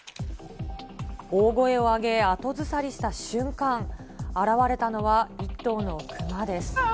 大声を上げ、後ずさりした瞬間、現れたのは、１頭の熊です。